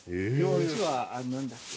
こっちは何だっけ。